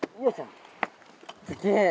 すげえ！